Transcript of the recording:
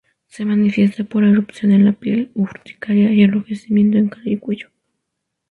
Se manifiesta por erupción en la piel, urticaria y enrojecimiento en cara y cuello.